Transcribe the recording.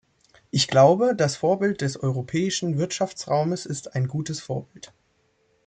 Ich glaube, das Vorbild des europäischen Wirtschaftsraumes ist ein gutes Vorbild.